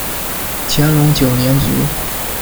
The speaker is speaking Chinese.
乾隆九年卒。